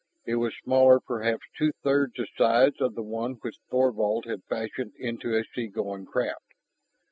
It was smaller, perhaps two thirds the size of the one which Thorvald had fashioned into a seagoing craft.